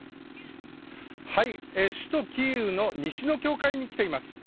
首都キーウの西の教会に来ています。